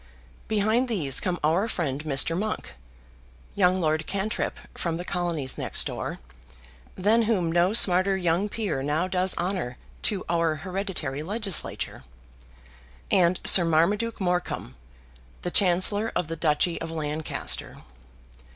Behind these come our friend Mr. Monk, young Lord Cantrip from the colonies next door, than whom no smarter young peer now does honour to our hereditary legislature, and Sir Marmaduke Morecombe, the Chancellor of the Duchy of Lancaster.